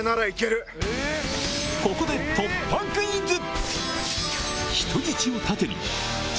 ここで突破クイズ！